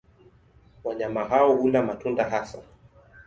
Wanyama hao hula matunda hasa.